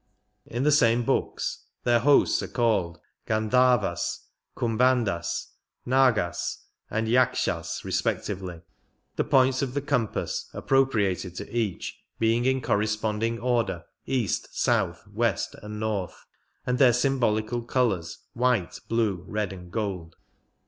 In the same books their hosts are called Gandharvas, Kumbhandas, Nagas, and Yakshas respectively, the points of the compass 5 66 appropriated to each being in corresponding order east, south, west, and north, and their symbolical colours white, blue, red, and gold.